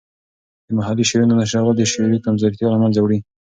د محلي شعرونو نشرول د شعوري کمزورتیا له منځه وړي.